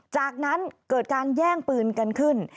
จากนั้นเกิดการแย่งปืนกันขึ้น